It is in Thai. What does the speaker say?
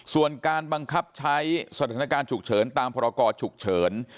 ส่วนการบังคับใช้สถานการณ์ฉุกเฉินตามพรกรฉุกเฉิน